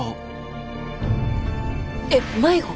えっ迷子？